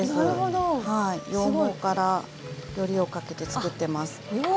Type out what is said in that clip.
羊毛からよりをかけて作ってます。